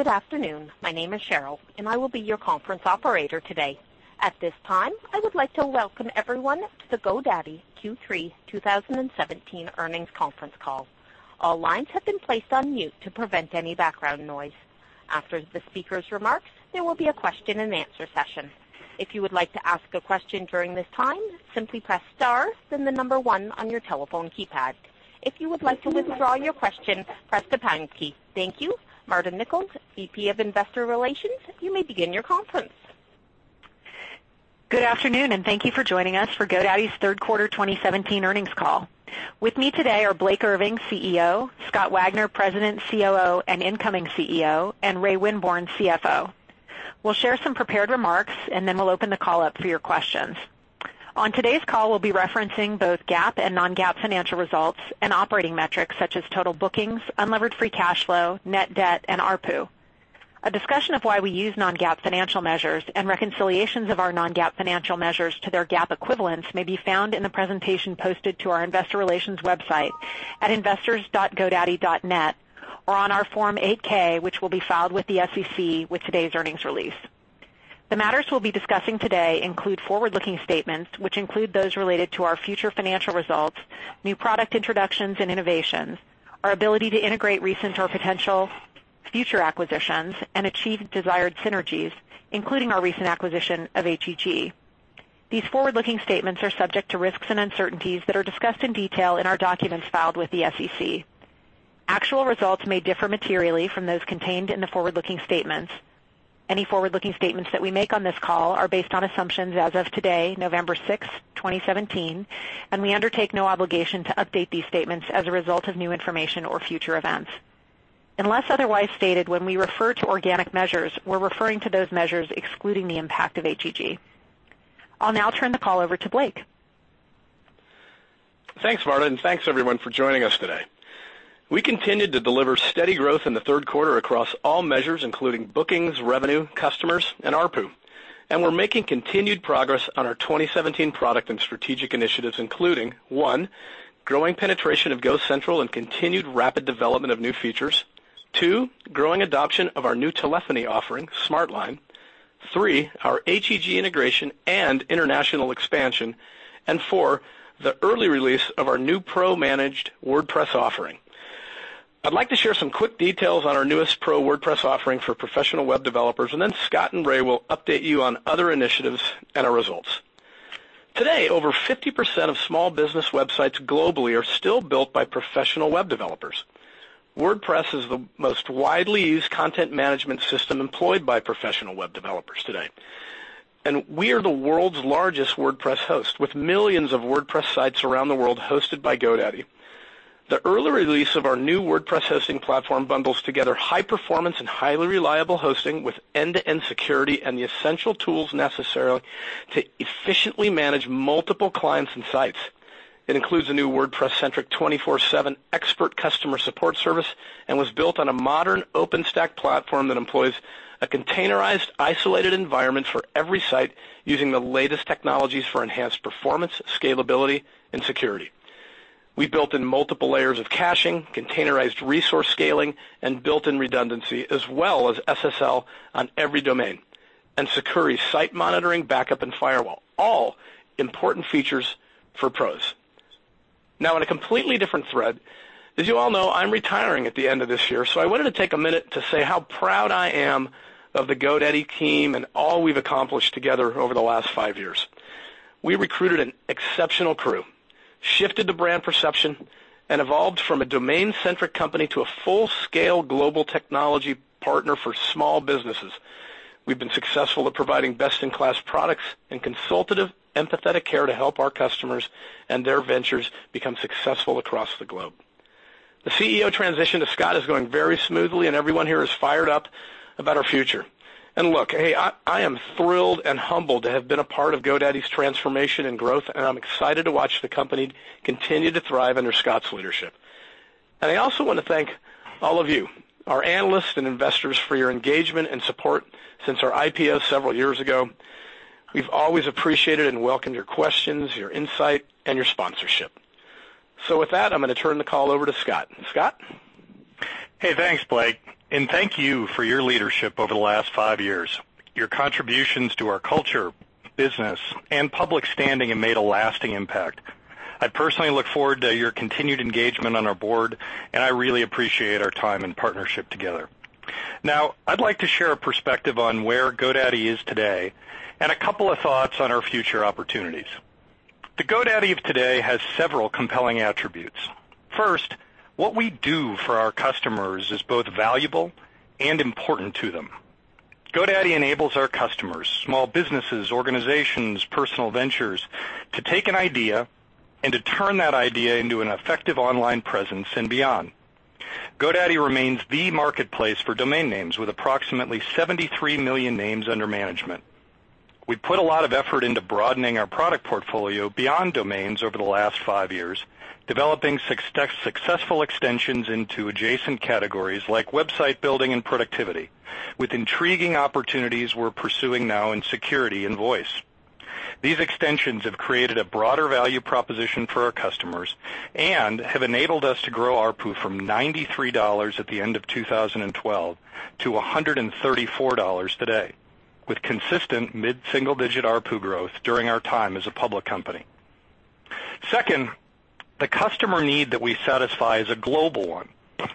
Good afternoon. My name is Cheryl, and I will be your conference operator today. At this time, I would like to welcome everyone to the GoDaddy Q3 2017 earnings conference call. All lines have been placed on mute to prevent any background noise. After the speaker's remarks, there will be a question and answer session. If you would like to ask a question during this time, simply press star, then the number one on your telephone keypad. If you would like to withdraw your question, press the pound key. Thank you. Marta Nichols, VP of Investor Relations, you may begin your conference. Good afternoon, and thank you for joining us for GoDaddy's third quarter 2017 earnings call. With me today are Blake Irving, CEO, Scott Wagner, President, COO, and incoming CEO, and Ray Winborne, CFO. We'll share some prepared remarks, then we'll open the call up for your questions. On today's call, we'll be referencing both GAAP and non-GAAP financial results and operating metrics such as total bookings, unlevered free cash flow, net debt, and ARPU. A discussion of why we use non-GAAP financial measures and reconciliations of our non-GAAP financial measures to their GAAP equivalents may be found in the presentation posted to our investor relations website at investors.godaddy.net or on our Form 8-K, which will be filed with the SEC with today's earnings release. The matters we'll be discussing today include forward-looking statements, which include those related to our future financial results, new product introductions and innovations, our ability to integrate recent or potential future acquisitions, and achieve desired synergies, including our recent acquisition of HEG. These forward-looking statements are subject to risks and uncertainties that are discussed in detail in our documents filed with the SEC. Actual results may differ materially from those contained in the forward-looking statements. Any forward-looking statements that we make on this call are based on assumptions as of today, November 6, 2017, and we undertake no obligation to update these statements as a result of new information or future events. Unless otherwise stated, when we refer to organic measures, we're referring to those measures excluding the impact of HEG. I'll now turn the call over to Blake. Thanks, Marta, and thanks everyone for joining us today. We continued to deliver steady growth in the third quarter across all measures, including bookings, revenue, customers, and ARPU. We're making continued progress on our 2017 product and strategic initiatives, including, one, growing penetration of GoCentral and continued rapid development of new features. Two, growing adoption of our new telephony offering, SmartLine. Three, our HEG integration and international expansion. Four, the early release of our new pro-managed WordPress offering. I'd like to share some quick details on our newest pro WordPress offering for professional web developers, then Scott and Ray will update you on other initiatives and our results. Today, over 50% of small business websites globally are still built by professional web developers. WordPress is the most widely used content management system employed by professional web developers today. We are the world's largest WordPress host, with millions of WordPress sites around the world hosted by GoDaddy. The early release of our new WordPress hosting platform bundles together high performance and highly reliable hosting with end-to-end security and the essential tools necessary to efficiently manage multiple clients and sites. It includes a new WordPress-centric 24/7 expert customer support service and was built on a modern OpenStack platform that employs a containerized, isolated environment for every site using the latest technologies for enhanced performance, scalability, and security. We built in multiple layers of caching, containerized resource scaling, and built-in redundancy, as well as SSL on every domain, and Sucuri site monitoring, backup, and firewall, all important features for pros. On a completely different thread, as you all know, I'm retiring at the end of this year. I wanted to take a minute to say how proud I am of the GoDaddy team and all we've accomplished together over the last five years. We recruited an exceptional crew, shifted the brand perception, and evolved from a domain-centric company to a full-scale global technology partner for small businesses. We've been successful at providing best-in-class products and consultative empathetic care to help our customers and their ventures become successful across the globe. The CEO transition to Scott is going very smoothly, and everyone here is fired up about our future. Look, hey, I am thrilled and humbled to have been a part of GoDaddy's transformation and growth, and I'm excited to watch the company continue to thrive under Scott's leadership. I also want to thank all of you, our analysts and investors, for your engagement and support since our IPO several years ago. We've always appreciated and welcomed your questions, your insight, and your sponsorship. With that, I'm going to turn the call over to Scott. Scott? Hey, thanks, Blake. Thank you for your leadership over the last five years. Your contributions to our culture, business, and public standing have made a lasting impact. I personally look forward to your continued engagement on our board, and I really appreciate our time and partnership together. I'd like to share a perspective on where GoDaddy is today and a couple of thoughts on our future opportunities. The GoDaddy of today has several compelling attributes. First, what we do for our customers is both valuable and important to them. GoDaddy enables our customers, small businesses, organizations, personal ventures, to take an idea and to turn that idea into an effective online presence and beyond. GoDaddy remains the marketplace for domain names, with approximately 73 million names under management. We put a lot of effort into broadening our product portfolio beyond domains over the last 5 years, developing successful extensions into adjacent categories like website building and productivity, with intriguing opportunities we're pursuing now in security and voice. These extensions have created a broader value proposition for our customers and have enabled us to grow ARPU from $93 at the end of 2012 to $134 today, with consistent mid-single-digit ARPU growth during our time as a public company. Second, the customer need that we satisfy is a global one,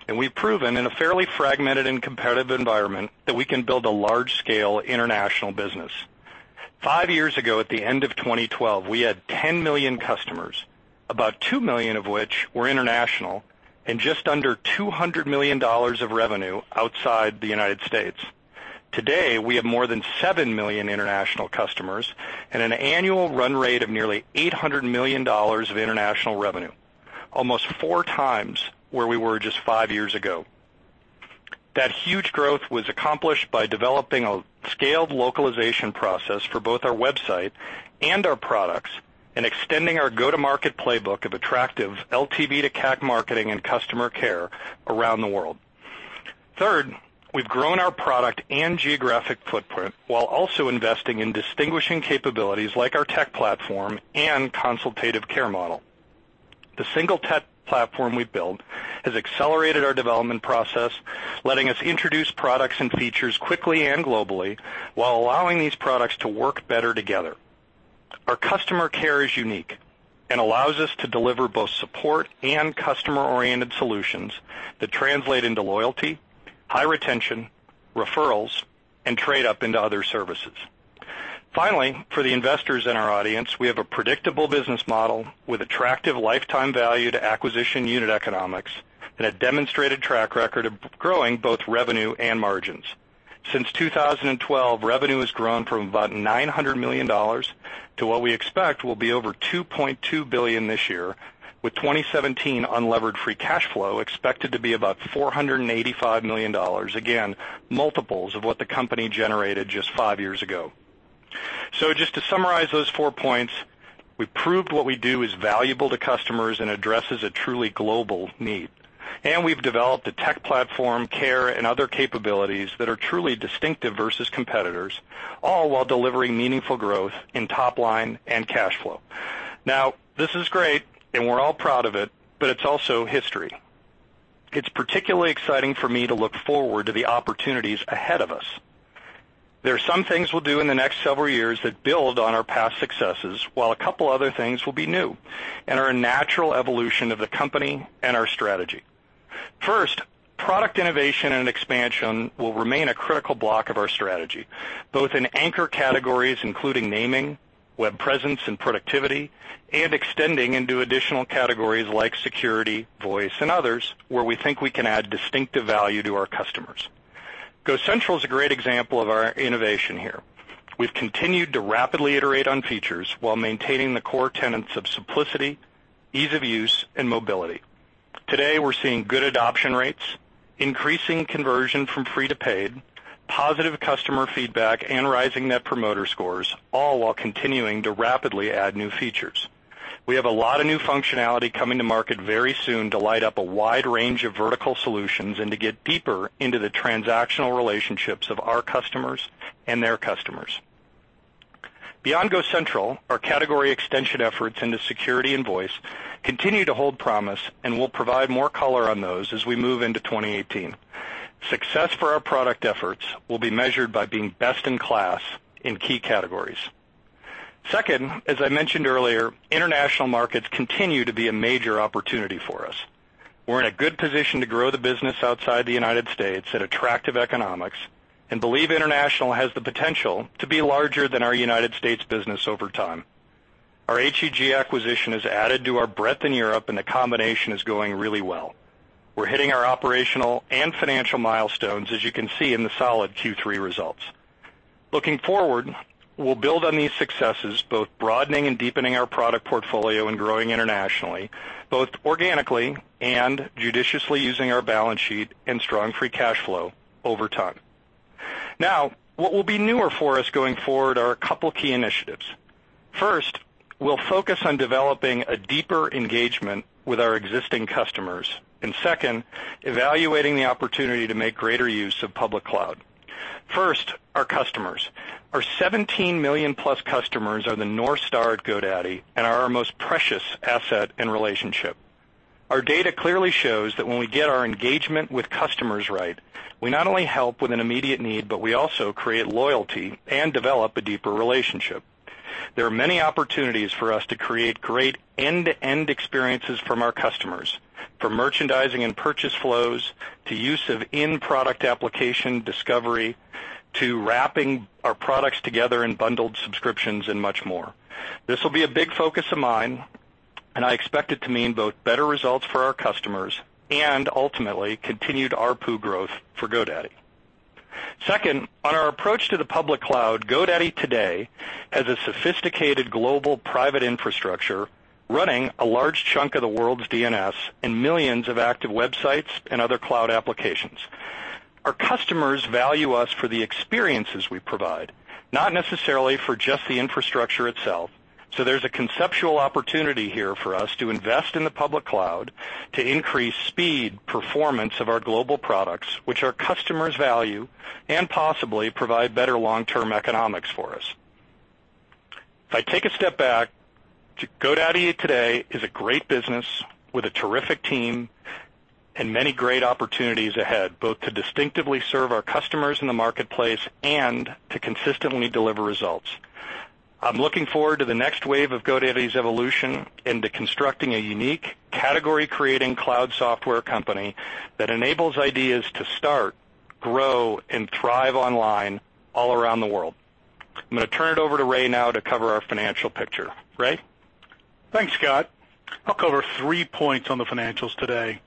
and we've proven in a fairly fragmented and competitive environment that we can build a large-scale international business. 5 years ago, at the end of 2012, we had 10 million customers, about 2 million of which were international, and just under $200 million of revenue outside the United States. Today, we have more than 7 million international customers and an annual run rate of nearly $800 million of international revenue, almost four times where we were just 5 years ago. That huge growth was accomplished by developing a scaled localization process for both our website and our products and extending our go-to-market playbook of attractive LTV to CAC marketing and customer care around the world. Third, we've grown our product and geographic footprint while also investing in distinguishing capabilities like our tech platform and consultative care model. The single tech platform we've built has accelerated our development process, letting us introduce products and features quickly and globally while allowing these products to work better together. Our customer care is unique and allows us to deliver both support and customer-oriented solutions that translate into loyalty, high retention, referrals, and trade-up into other services. Finally, for the investors in our audience, we have a predictable business model with attractive lifetime value to acquisition unit economics and a demonstrated track record of growing both revenue and margins. Since 2012, revenue has grown from about $900 million to what we expect will be over $2.2 billion this year, with 2017 unlevered free cash flow expected to be about $485 million, again, multiples of what the company generated just 5 years ago. Just to summarize those four points, we proved what we do is valuable to customers and addresses a truly global need, and we've developed a tech platform, care, and other capabilities that are truly distinctive versus competitors, all while delivering meaningful growth in top line and cash flow. This is great, and we're all proud of it, but it's also history. It's particularly exciting for me to look forward to the opportunities ahead of us. There are some things we'll do in the next several years that build on our past successes, while a couple other things will be new and are a natural evolution of the company and our strategy. First, product innovation and expansion will remain a critical block of our strategy, both in anchor categories, including naming, web presence, and productivity, and extending into additional categories like security, voice, and others, where we think we can add distinctive value to our customers. GoCentral is a great example of our innovation here. We've continued to rapidly iterate on features while maintaining the core tenets of simplicity, ease of use, and mobility. Today, we're seeing good adoption rates, increasing conversion from free to paid, positive customer feedback, and rising Net Promoter Score, all while continuing to rapidly add new features. We have a lot of new functionality coming to market very soon to light up a wide range of vertical solutions and to get deeper into the transactional relationships of our customers and their customers. Beyond GoCentral, our category extension efforts into security and voice continue to hold promise, and we'll provide more color on those as we move into 2018. Success for our product efforts will be measured by being best in class in key categories. As I mentioned earlier, international markets continue to be a major opportunity for us. We're in a good position to grow the business outside the United States at attractive economics and believe international has the potential to be larger than our United States business over time. Our HEG acquisition has added to our breadth in Europe. The combination is going really well. We're hitting our operational and financial milestones, as you can see in the solid Q3 results. Looking forward, we'll build on these successes, both broadening and deepening our product portfolio and growing internationally, both organically and judiciously using our balance sheet and strong free cash flow over time. What will be newer for us going forward are a couple key initiatives. We'll focus on developing a deeper engagement with our existing customers, and second, evaluating the opportunity to make greater use of public cloud. Our customers. Our 17 million-plus customers are the North Star at GoDaddy and are our most precious asset and relationship. Our data clearly shows that when we get our engagement with customers right, we not only help with an immediate need, but we also create loyalty and develop a deeper relationship. There are many opportunities for us to create great end-to-end experiences from our customers, from merchandising and purchase flows, to use of in-product application discovery, to wrapping our products together in bundled subscriptions, and much more. This will be a big focus of mine, and I expect it to mean both better results for our customers and ultimately continued ARPU growth for GoDaddy. On our approach to the public cloud, GoDaddy today has a sophisticated global private infrastructure running a large chunk of the world's DNS and millions of active websites and other cloud applications. Our customers value us for the experiences we provide, not necessarily for just the infrastructure itself. There's a conceptual opportunity here for us to invest in the public cloud to increase speed, performance of our global products, which our customers value, and possibly provide better long-term economics for us. If I take a step back, GoDaddy today is a great business with a terrific team and many great opportunities ahead, both to distinctively serve our customers in the marketplace and to consistently deliver results. I'm looking forward to the next wave of GoDaddy's evolution into constructing a unique category-creating cloud software company that enables ideas to start, grow, and thrive online all around the world. I'm going to turn it over to Ray now to cover our financial picture. Ray? Thanks, Scott. I'll cover three points on the financials today.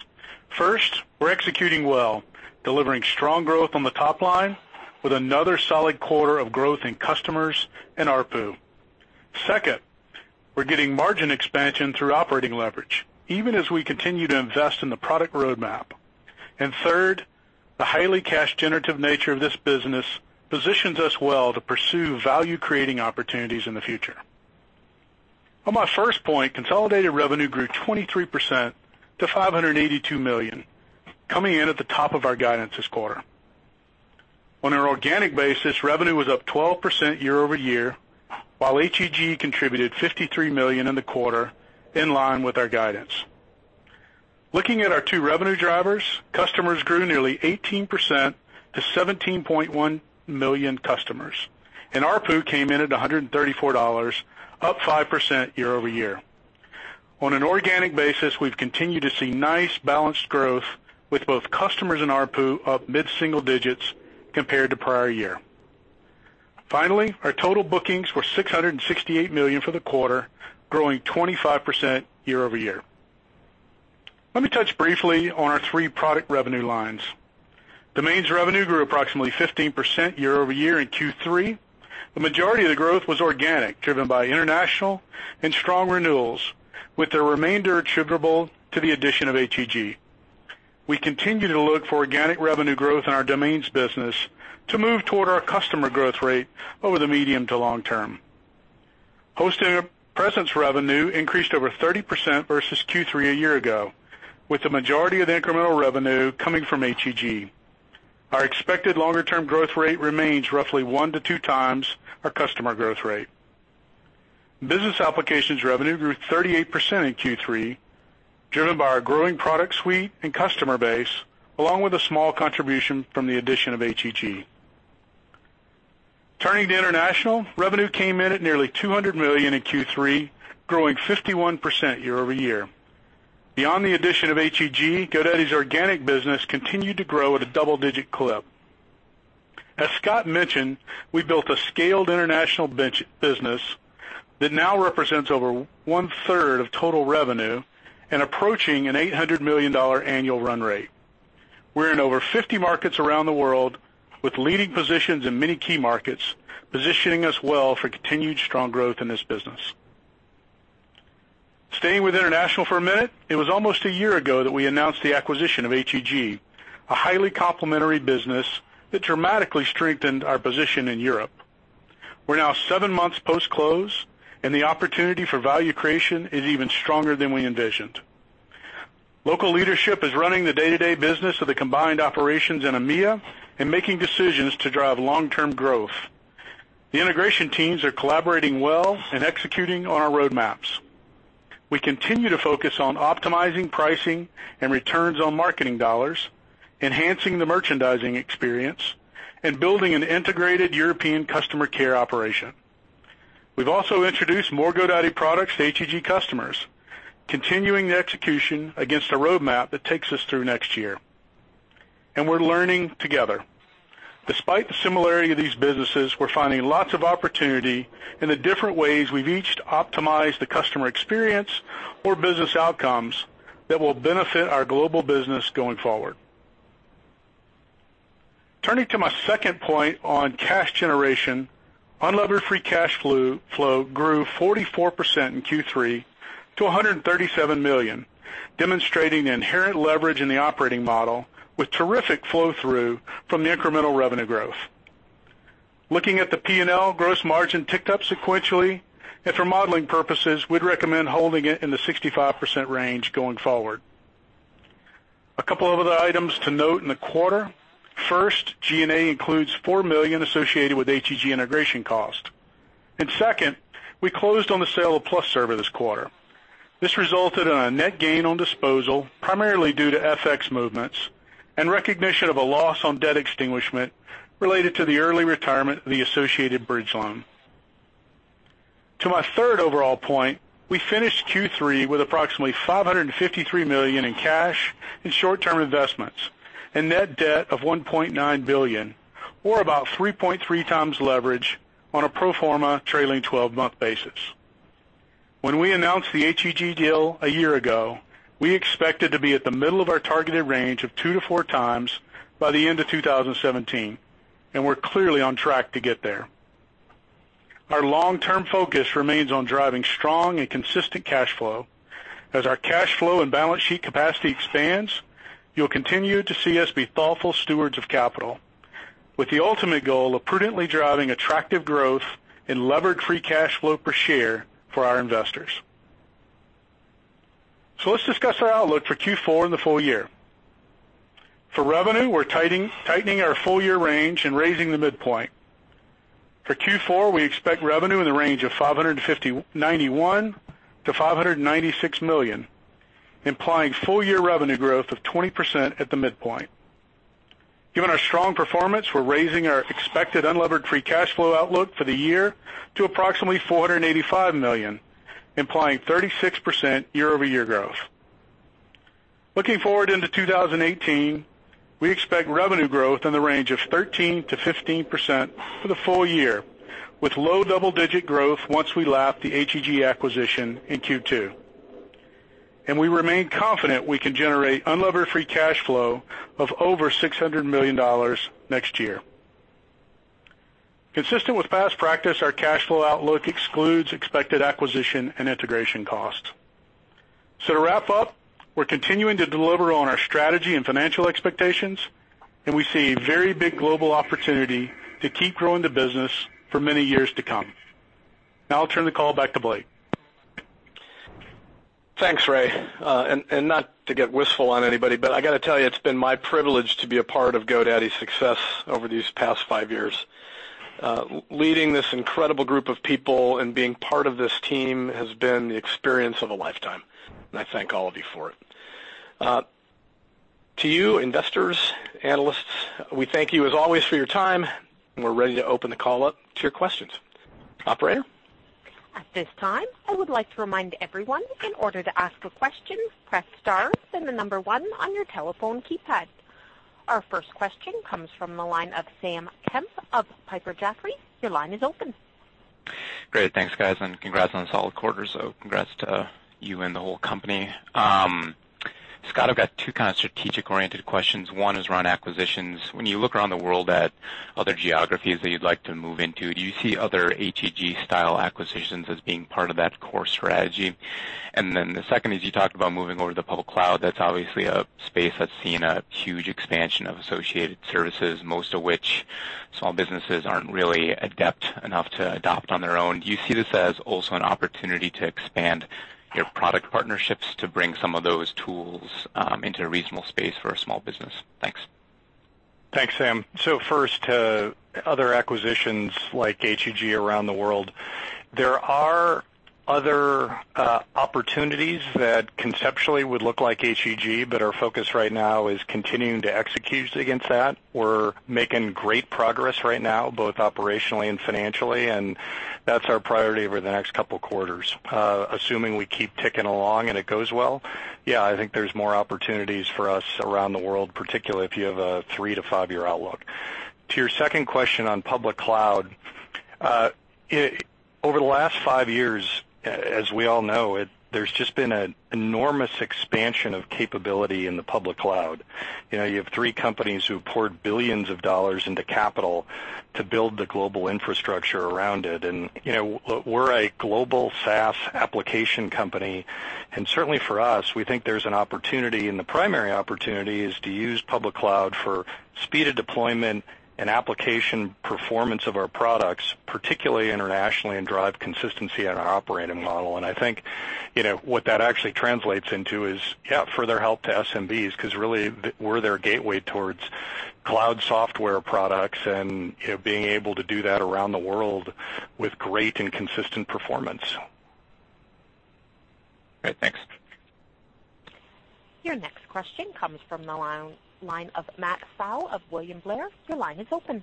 First, we're executing well, delivering strong growth on the top line with another solid quarter of growth in customers and ARPU. Second, we're getting margin expansion through operating leverage, even as we continue to invest in the product roadmap. Third, the highly cash-generative nature of this business positions us well to pursue value-creating opportunities in the future. On my first point, consolidated revenue grew 23% to $582 million, coming in at the top of our guidance this quarter. On an organic basis, revenue was up 12% year-over-year, while HEG contributed $53 million in the quarter, in line with our guidance. Looking at our two revenue drivers, customers grew nearly 18% to 17.1 million customers, and ARPU came in at $134, up 5% year-over-year. On an organic basis, we've continued to see nice, balanced growth with both customers and ARPU up mid-single digits compared to prior year. Finally, our total bookings were $668 million for the quarter, growing 25% year-over-year. Let me touch briefly on our three product revenue lines. Domains revenue grew approximately 15% year-over-year in Q3. The majority of the growth was organic, driven by international and strong renewals, with the remainder attributable to the addition of HEG. We continue to look for organic revenue growth in our domains business to move toward our customer growth rate over the medium to long term. Hosting presence revenue increased over 30% versus Q3 a year ago, with the majority of the incremental revenue coming from HEG. Our expected longer-term growth rate remains roughly one to two times our customer growth rate. Business applications revenue grew 38% in Q3, driven by our growing product suite and customer base, along with a small contribution from the addition of HEG. Turning to international, revenue came in at nearly $200 million in Q3, growing 51% year-over-year. Beyond the addition of HEG, GoDaddy's organic business continued to grow at a double-digit clip. As Scott mentioned, we built a scaled international business that now represents over one-third of total revenue and approaching an $800 million annual run rate. We're in over 50 markets around the world with leading positions in many key markets, positioning us well for continued strong growth in this business. Staying with international for a minute, it was almost a year ago that we announced the acquisition of HEG, a highly complementary business that dramatically strengthened our position in Europe. We're now seven months post-close. The opportunity for value creation is even stronger than we envisioned. Local leadership is running the day-to-day business of the combined operations in EMEA and making decisions to drive long-term growth. The integration teams are collaborating well and executing on our roadmaps. We continue to focus on optimizing pricing and returns on marketing dollars, enhancing the merchandising experience, and building an integrated European customer care operation. We've also introduced more GoDaddy products to HEG customers, continuing the execution against a roadmap that takes us through next year. We're learning together. Despite the similarity of these businesses, we're finding lots of opportunity in the different ways we've each optimized the customer experience or business outcomes that will benefit our global business going forward. Turning to my second point on cash generation, unlevered free cash flow grew 44% in Q3 to $137 million, demonstrating the inherent leverage in the operating model with terrific flow-through from the incremental revenue growth. Looking at the P&L, gross margin ticked up sequentially. For modeling purposes, we'd recommend holding it in the 65% range going forward. A couple of other items to note in the quarter. First, G&A includes $4 million associated with HEG integration cost. Second, we closed on the sale of PlusServer this quarter. This resulted in a net gain on disposal, primarily due to FX movements and recognition of a loss on debt extinguishment related to the early retirement of the associated bridge loan. To my third overall point, we finished Q3 with approximately $553 million in cash and short-term investments and net debt of $1.9 billion, or about 3.3 times leverage on a pro forma trailing 12-month basis. When we announced the HEG deal a year ago, we expected to be at the middle of our targeted range of two to four times by the end of 2017, we're clearly on track to get there. Our long-term focus remains on driving strong and consistent cash flow. As our cash flow and balance sheet capacity expands, you'll continue to see us be thoughtful stewards of capital. With the ultimate goal of prudently driving attractive growth in Levered Free Cash Flow per share for our investors. Let's discuss our outlook for Q4 and the full year. For revenue, we're tightening our full-year range and raising the midpoint. For Q4, we expect revenue in the range of $591 million-$596 million, implying full-year revenue growth of 20% at the midpoint. Given our strong performance, we're raising our expected unlevered free cash flow outlook for the year to approximately $485 million, implying 36% year-over-year growth. Looking forward into 2018, we expect revenue growth in the range of 13%-15% for the full year, with low double-digit growth once we lap the HEG acquisition in Q2. We remain confident we can generate unlevered free cash flow of over $600 million next year. Consistent with past practice, our cash flow outlook excludes expected acquisition and integration costs. To wrap up, we're continuing to deliver on our strategy and financial expectations, we see very big global opportunity to keep growing the business for many years to come. Now I'll turn the call back to Blake. Thanks, Ray. Not to get wistful on anybody, but I got to tell you, it's been my privilege to be a part of GoDaddy's success over these past five years. Leading this incredible group of people and being part of this team has been the experience of a lifetime, and I thank all of you for it. To you, investors, analysts, we thank you as always for your time, and we're ready to open the call up to your questions. Operator? At this time, I would like to remind everyone, in order to ask a question, press star, then the number one on your telephone keypad. Our first question comes from the line of Samuel Kemp of Piper Jaffray. Your line is open. Great. Thanks, guys. Congrats on a solid quarter. Congrats to you and the whole company. Scott, I've got two kind of strategic-oriented questions. One is around acquisitions. When you look around the world at other geographies that you'd like to move into, do you see other HEG-style acquisitions as being part of that core strategy? The second is, you talked about moving over to public cloud. That's obviously a space that's seen a huge expansion of associated services, most of which small businesses aren't really adept enough to adopt on their own. Do you see this as also an opportunity to expand your product partnerships to bring some of those tools into a reasonable space for a small business? Thanks. Thanks, Sam. First, other acquisitions like HEG around the world, there are other opportunities that conceptually would look like HEG, but our focus right now is continuing to execute against that. We're making great progress right now, both operationally and financially, and that's our priority over the next couple of quarters. Assuming we keep ticking along and it goes well, yeah, I think there's more opportunities for us around the world, particularly if you have a three-to-five-year outlook. To your second question on public cloud, over the last five years, as we all know, there's just been an enormous expansion of capability in the public cloud. You have three companies who've poured billions of dollars into capital to build the global infrastructure around it. We're a global SaaS application company. Certainly for us, we think there's an opportunity. The primary opportunity is to use public cloud for speed of deployment and application performance of our products, particularly internationally, and drive consistency in our operating model. I think what that actually translates into is further help to SMBs, because really, we're their gateway towards cloud software products and being able to do that around the world with great and consistent performance. Great. Thanks. Your next question comes from the line of Matthew Pfau of William Blair. Your line is open.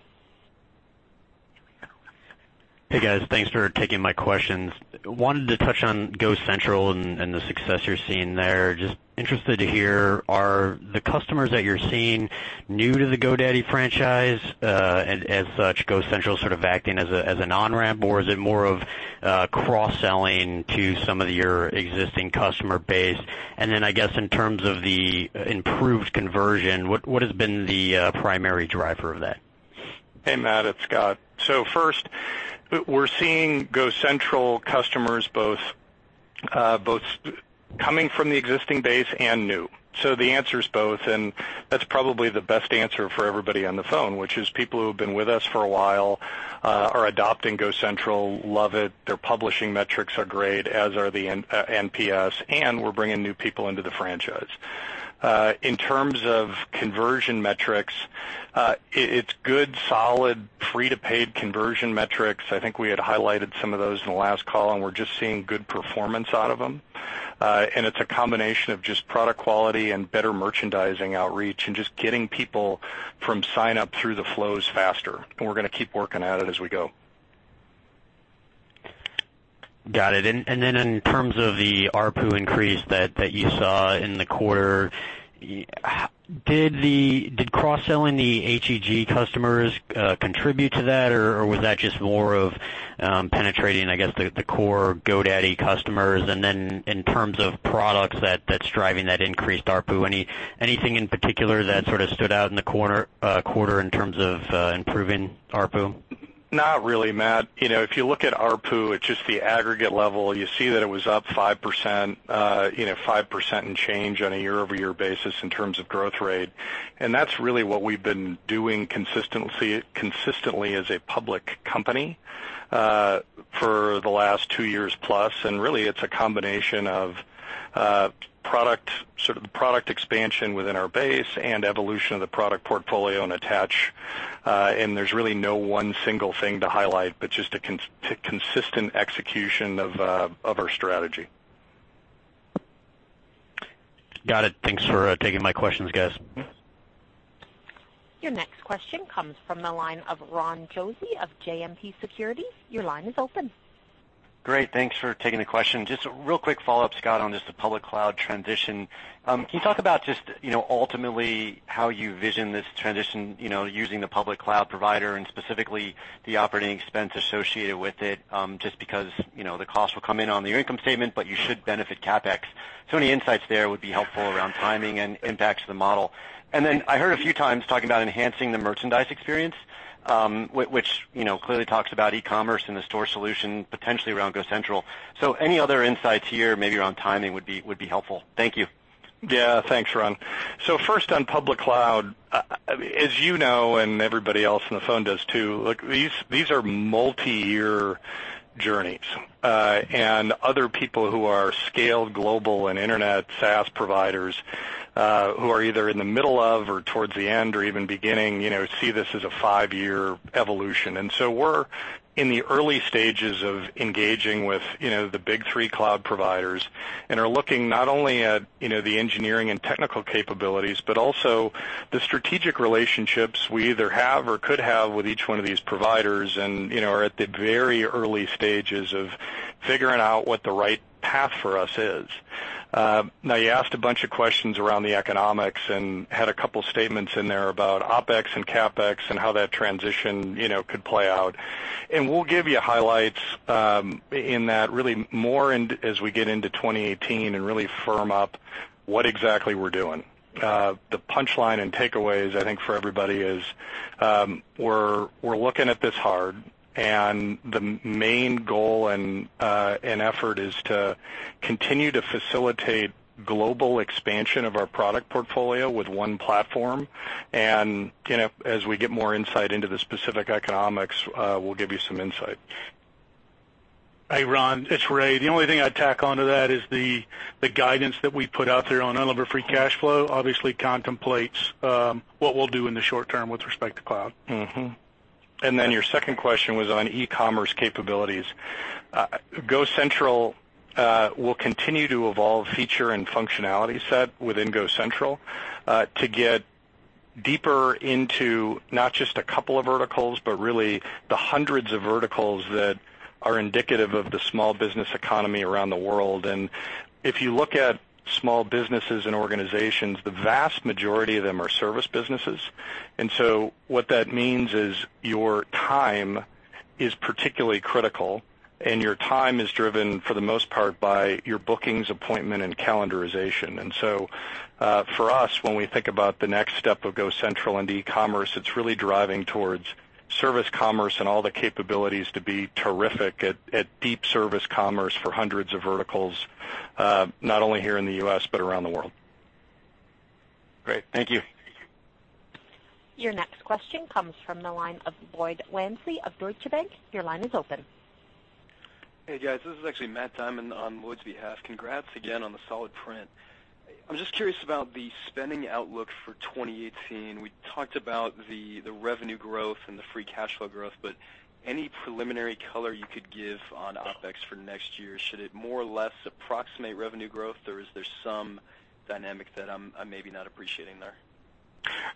Hey, guys. Thanks for taking my questions. Wanted to touch on GoCentral and the success you're seeing there. Just interested to hear, are the customers that you're seeing new to the GoDaddy franchise, and as such, GoCentral sort of acting as an on-ramp, or is it more of cross-selling to some of your existing customer base? Then, I guess, in terms of the improved conversion, what has been the primary driver of that? Hey, Matt, it's Scott. First, we're seeing GoCentral customers both coming from the existing base and new. The answer is both, and that's probably the best answer for everybody on the phone, which is people who have been with us for a while are adopting GoCentral, love it, their publishing metrics are great, as are the NPS, and we're bringing new people into the franchise. In terms of conversion metrics, it's good, solid, free-to-paid conversion metrics. I think we had highlighted some of those in the last call, and we're just seeing good performance out of them. It's a combination of just product quality and better merchandising outreach and just getting people from sign-up through the flows faster. We're going to keep working at it as we go. Got it. In terms of the ARPU increase that you saw in the quarter, did cross-selling the HEG customers contribute to that? Or was that just more of penetrating, I guess, the core GoDaddy customers? In terms of products that's driving that increased ARPU, anything in particular that sort of stood out in the quarter in terms of improving ARPU? Not really, Matt. If you look at ARPU, it's just the aggregate level. You see that it was up 5% and change on a year-over-year basis in terms of growth rate, and that's really what we've been doing consistently as a public company for the last two years plus. It's a combination of sort of the product expansion within our base and evolution of the product portfolio and attach. There's really no one single thing to highlight, but just a consistent execution of our strategy. Got it. Thanks for taking my questions, guys. Your next question comes from the line of Ron Josey of JMP Securities. Your line is open. Great. Thanks for taking the question. Just a real quick follow-up, Scott, on just the public cloud transition. Can you talk about just ultimately how you vision this transition using the public cloud provider and specifically the OpEx associated with it? Just because the costs will come in on the income statement, but you should benefit CapEx. Any insights there would be helpful around timing and impacts to the model. I heard a few times talking about enhancing the merchandise experience, which clearly talks about e-commerce and the store solution potentially around GoCentral. Any other insights here, maybe around timing would be helpful. Thank you. Yeah. Thanks, Ron. First on public cloud, as you know, and everybody else on the phone does too, look, these are multi-year journeys. Other people who are scaled global and internet SaaS providers, who are either in the middle of or towards the end or even beginning, see this as a five-year evolution. We're in the early stages of engaging with the big three cloud providers and are looking not only at the engineering and technical capabilities, but also the strategic relationships we either have or could have with each one of these providers, and are at the very early stages of figuring what the right path for us is. Now, you asked a bunch of questions around the economics and had a couple statements in there about OpEx and CapEx and how that transition could play out. We'll give you highlights in that really more as we get into 2018 and really firm up what exactly we're doing. The punchline and takeaways, I think, for everybody is, we're looking at this hard, and the main goal and effort is to continue to facilitate global expansion of our product portfolio with one platform. As we get more insight into the specific economics, we'll give you some insight. Hey, Ron, it's Ray. The only thing I'd tack onto that is the guidance that we put out there on unlevered free cash flow obviously contemplates what we'll do in the short term with respect to cloud. Mm-hmm. Your second question was on e-commerce capabilities. GoCentral will continue to evolve feature and functionality set within GoCentral to get deeper into not just a couple of verticals, but really the hundreds of verticals that are indicative of the small business economy around the world. If you look at small businesses and organizations, the vast majority of them are service businesses. What that means is your time is particularly critical, and your time is driven for the most part by your bookings, appointment, and calendarization. For us, when we think about the next step of GoCentral and e-commerce, it's really driving towards service commerce and all the capabilities to be terrific at deep service commerce for hundreds of verticals, not only here in the U.S., but around the world. Great. Thank you. Your next question comes from the line of Lloyd Walmsley of Deutsche Bank. Your line is open. Hey, guys. This is actually Matt Diamond on Lloyd's behalf. Congrats again on the solid print. I'm just curious about the spending outlook for 2018. We talked about the revenue growth and the free cash flow growth, any preliminary color you could give on OpEx for next year? Should it more or less approximate revenue growth, or is there some dynamic that I'm maybe not appreciating there?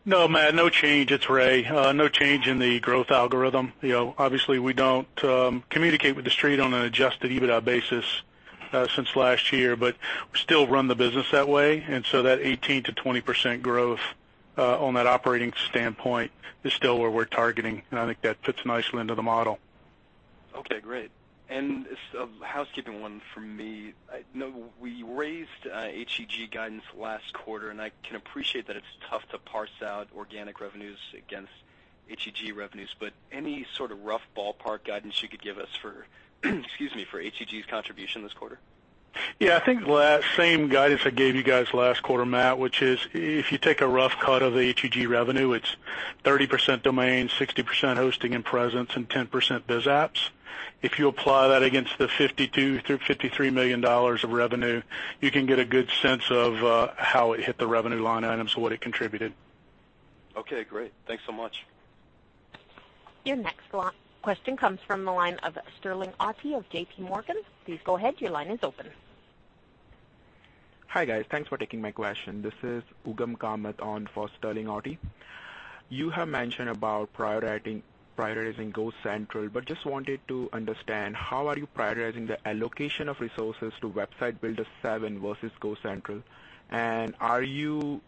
No, Matt, no change. It's Ray. No change in the growth algorithm. Obviously, we don't communicate with the Street on an Adjusted EBITDA basis since last year, we still run the business that way. That 18%-20% growth, on that operating standpoint is still where we're targeting, and I think that fits nicely into the model. Okay, great. Just a housekeeping one from me. I know we raised HEG guidance last quarter, I can appreciate that it's tough to parse out organic revenues against HEG revenues, any sort of rough ballpark guidance you could give us for excuse me, for HEG's contribution this quarter? Yeah. I think the same guidance I gave you guys last quarter, Matt, which is if you take a rough cut of the HEG revenue, it's 30% domain, 60% hosting and presence, and 10% biz apps. If you apply that against the $52 million-$53 million of revenue, you can get a good sense of how it hit the revenue line items, what it contributed. Okay, great. Thanks so much. Your next question comes from the line of Sterling Auty of J.P. Morgan. Please go ahead, your line is open. Hi, guys. Thanks for taking my question. This is Ugam Kamat on for Sterling Auty. Just wanted to understand how are you prioritizing the allocation of resources to Website Builder 7 versus GoCentral? Are you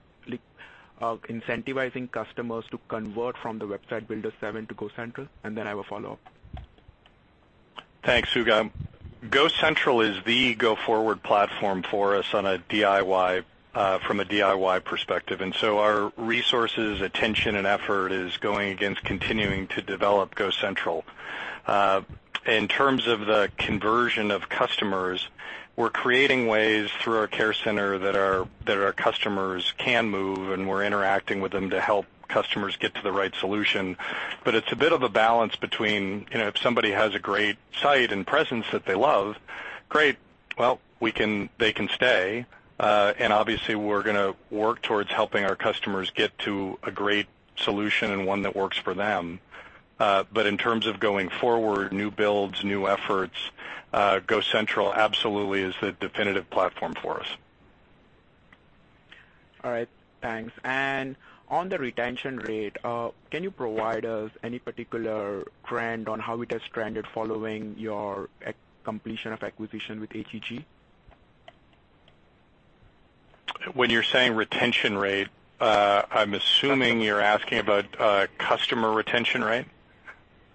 incentivizing customers to convert from the Website Builder 7 to GoCentral? I have a follow-up. Thanks, Ugam. GoCentral is the go-forward platform for us from a DIY perspective. So our resources, attention, and effort is going against continuing to develop GoCentral. In terms of the conversion of customers, we're creating ways through our care center that our customers can move, and we're interacting with them to help customers get to the right solution. It's a bit of a balance between if somebody has a great site and presence that they love, great. Well, they can stay. Obviously, we're going to work towards helping our customers get to a great solution and one that works for them. In terms of going forward, new builds, new efforts, GoCentral absolutely is the definitive platform for us. All right, thanks. On the retention rate, can you provide us any particular trend on how it has trended following your completion of acquisition with HEG? When you're saying retention rate, I'm assuming you're asking about customer retention rate? Yes.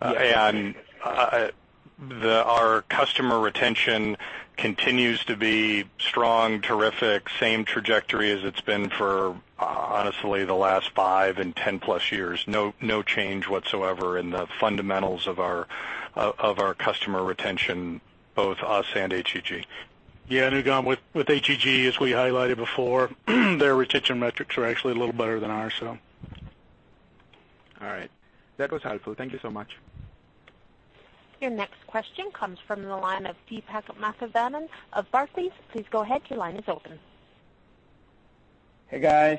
Our customer retention continues to be strong, terrific, same trajectory as it's been for, honestly, the last five and 10 plus years. No change whatsoever in the fundamentals of our customer retention, both us and HEG. Yeah, Ugam, with HEG, as we highlighted before, their retention metrics are actually a little better than ours. All right. That was helpful. Thank you so much. Your next question comes from the line of Deepak Mathivanan of Barclays. Please go ahead. Your line is open. Hey, guys.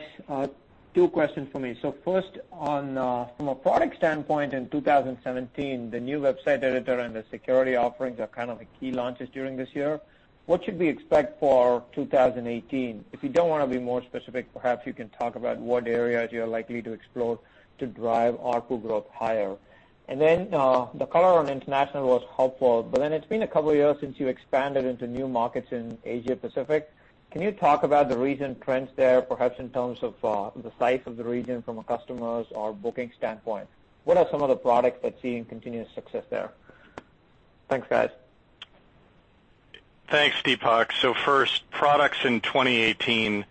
Two questions for me. First, from a product standpoint in 2017, the new website editor and the security offerings are kind of the key launches during this year. What should we expect for 2018? If you don't want to be more specific, perhaps you can talk about what areas you're likely to explore to drive ARPU growth higher. The color on international was helpful. It's been a couple of years since you expanded into new markets in Asia Pacific. Can you talk about the recent trends there, perhaps in terms of the size of the region from a customers or booking standpoint? What are some of the products that seeing continuous success there? Thanks, guys. Thanks, Deepak. First, products in 2018.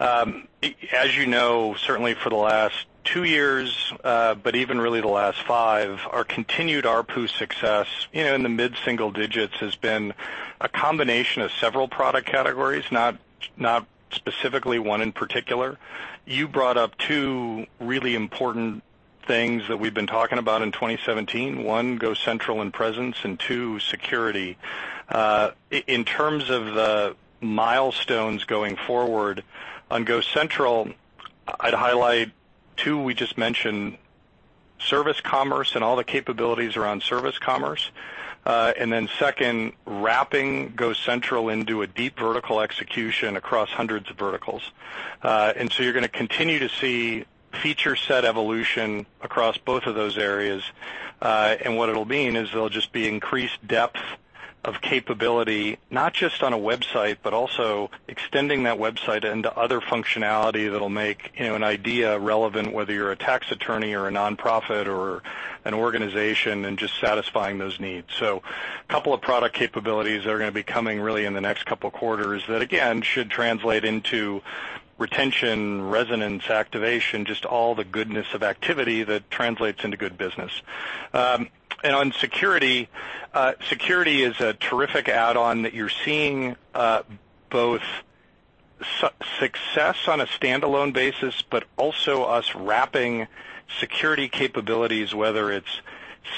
As you know, certainly for the last two years, but even really the last five, our continued ARPU success in the mid-single digits has been a combination of several product categories, not specifically one in particular. You brought up two really important things that we've been talking about in 2017. One, GoCentral and Presence. Two, security. In terms of the milestones going forward on GoCentral, I'd highlight two we just mentioned, service commerce and all the capabilities around service commerce. Second, wrapping GoCentral into a deep vertical execution across hundreds of verticals. You're going to continue to see feature set evolution across both of those areas. What it'll mean is there will just be increased depth of capability, not just on a website, but also extending that website into other functionality that'll make an idea relevant, whether you're a tax attorney or a nonprofit or an organization, and just satisfying those needs. A couple of product capabilities that are going to be coming really in the next couple of quarters that, again, should translate into retention, resonance, activation, just all the goodness of activity that translates into good business. On security is a terrific add-on that you're seeing both success on a standalone basis, but also us wrapping security capabilities, whether it's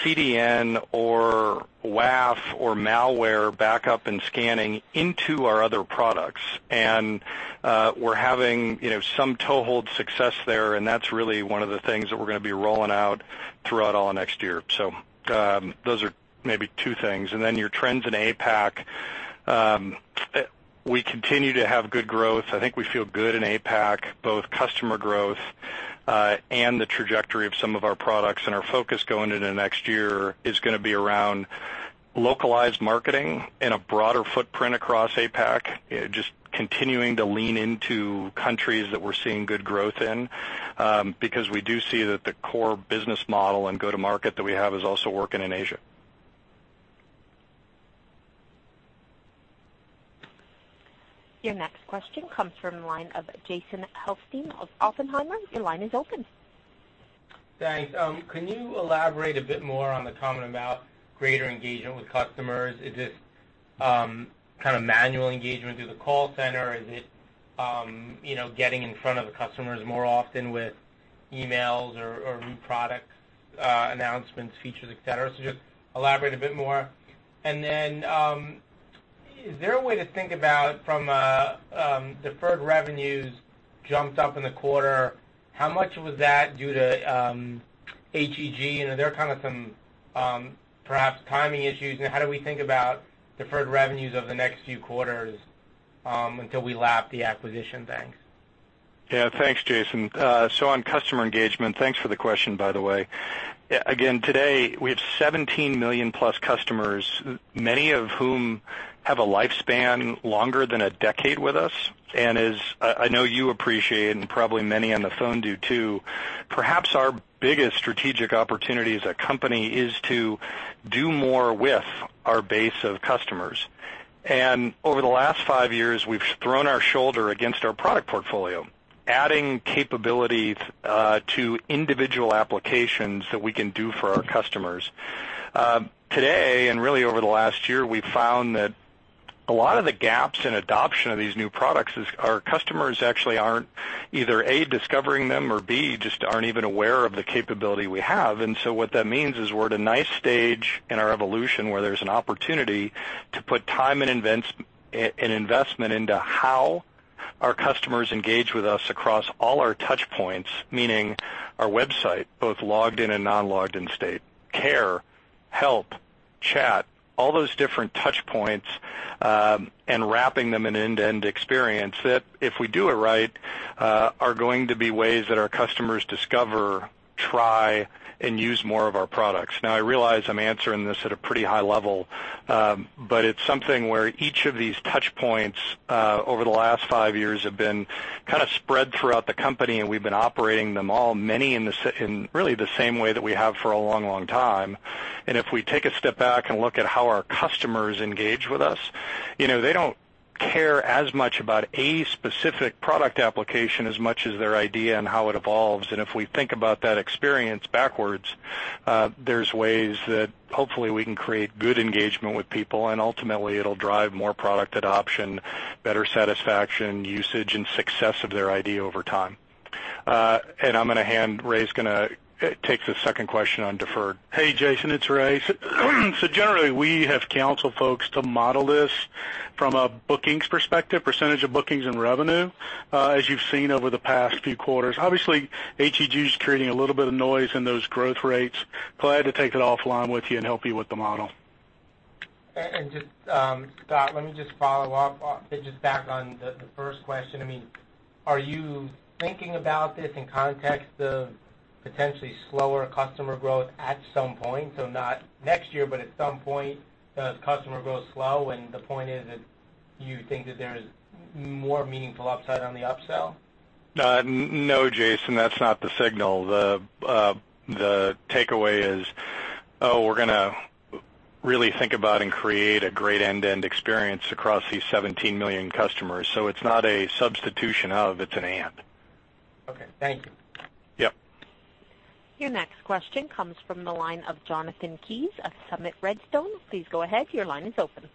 CDN or WAF or malware backup and scanning into our other products. We're having some toehold success there, and that's really one of the things that we're going to be rolling out throughout all next year. Those are maybe two things. Your trends in APAC. We continue to have good growth. I think we feel good in APAC, both customer growth, and the trajectory of some of our products. Our focus going into next year is going to be around localized marketing and a broader footprint across APAC, just continuing to lean into countries that we're seeing good growth in, because we do see that the core business model and go-to-market that we have is also working in Asia. Your next question comes from the line of Jason Helfstein of Oppenheimer. Your line is open. Thanks. Can you elaborate a bit more on the comment about greater engagement with customers? Is it kind of manual engagement through the call center? Is it getting in front of the customers more often with emails or new product announcements, features, et cetera? Just elaborate a bit more. Then, is there a way to think about from a deferred revenues jumped up in the quarter, how much was that due to HEG? There are kind of some perhaps timing issues. How do we think about deferred revenues over the next few quarters until we lap the acquisition? Thanks. Yeah. Thanks, Jason. On customer engagement, thanks for the question, by the way. Again, today, we have 17 million plus customers, many of whom have a lifespan longer than a decade with us. As I know you appreciate, and probably many on the phone do too, perhaps our biggest strategic opportunity as a company is to do more with our base of customers. Over the last five years, we've thrown our shoulder against our product portfolio, adding capabilities to individual applications that we can do for our customers. Today, and really over the last year, we've found that a lot of the gaps in adoption of these new products is our customers actually aren't either, A, discovering them, or B, just aren't even aware of the capability we have. What that means is we're at a nice stage in our evolution where there's an opportunity to put time and investment into how Our customers engage with us across all our touch points, meaning our website, both logged in and non-logged in state, care, help, chat, all those different touch points, and wrapping them in end-to-end experience that, if we do it right, are going to be ways that our customers discover, try, and use more of our products. Now, I realize I'm answering this at a pretty high level, but it's something where each of these touch points, over the last five years, have been kind of spread throughout the company, and we've been operating them all, many in really the same way that we have for a long time. If we take a step back and look at how our customers engage with us, they don't care as much about a specific product application as much as their idea and how it evolves. If we think about that experience backwards, there's ways that hopefully we can create good engagement with people, and ultimately it'll drive more product adoption, better satisfaction, usage, and success of their idea over time. I'm going to hand-- Ray's going to take the second question on deferred. Hey, Jason, it's Ray. Generally, we have counseled folks to model this from a bookings perspective, percentage of bookings and revenue, as you've seen over the past few quarters. Obviously, HEG is creating a little bit of noise in those growth rates. Glad to take it offline with you and help you with the model. Just, Scott, let me just follow up, just back on the first question. Are you thinking about this in context of potentially slower customer growth at some point? Not next year, but at some point, does customer growth slow, and the point is that you think that there is more meaningful upside on the upsell? No, Jason, that's not the signal. The takeaway is, oh, we're going to really think about and create a great end-to-end experience across these 17 million customers. It's not a substitution of, it's an and. Okay. Thank you. Yep. Your next question comes from the line of Jonathan Keyes of Summit Redstone. Please go ahead. Your line is open.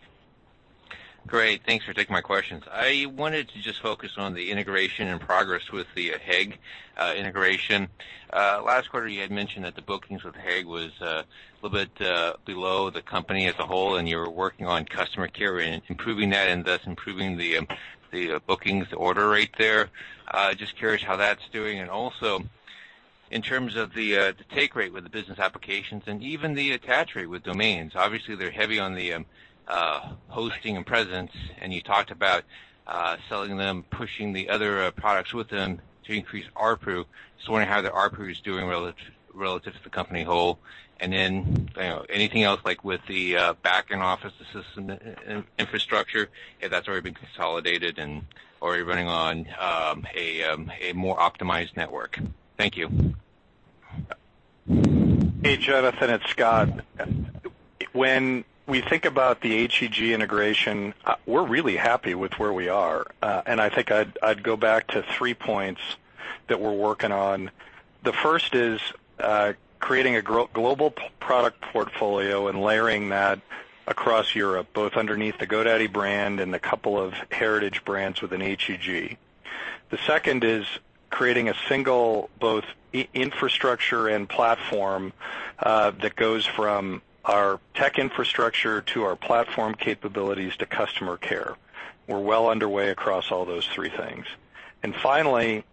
Great. Thanks for taking my questions. I wanted to just focus on the integration and progress with the HEG integration. Last quarter, you had mentioned that the bookings with HEG was a little bit below the company as a whole, and you were working on customer care and improving that, and thus improving the bookings order rate there. Just curious how that's doing. Also, in terms of the take rate with the business applications and even the attach rate with domains, obviously, they're heavy on the hosting and presence, and you talked about selling them, pushing the other products with them to increase ARPU. Just wondering how the ARPU is doing relative to the company whole. Then anything else, like with the back-office and systems infrastructure, if that's already been consolidated and already running on a more optimized network. Thank you. Hey, Jonathan, it's Scott. When we think about the HEG integration, we're really happy with where we are. I think I'd go back to three points that we're working on. The first is creating a global product portfolio and layering that across Europe, both underneath the GoDaddy brand and a couple of heritage brands within HEG. The second is creating a single, both infrastructure and platform, that goes from our tech infrastructure to our platform capabilities to customer care. We're well underway across all those three things. Finally,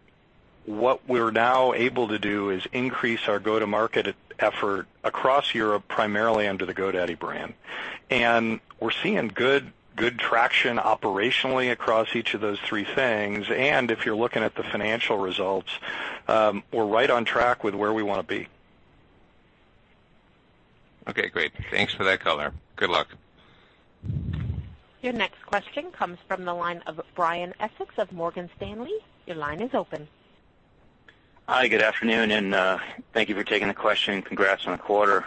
what we're now able to do is increase our go-to-market effort across Europe, primarily under the GoDaddy brand. We're seeing good traction operationally across each of those three things, and if you're looking at the financial results, we're right on track with where we want to be. Okay, great. Thanks for that color. Good luck. Your next question comes from the line of Brian Essex of Morgan Stanley. Your line is open. Hi, good afternoon, and thank you for taking the question. Congrats on the quarter.